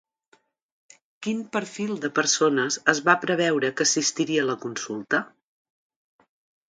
Quin perfil de persones es va preveure que assistiria a la consulta?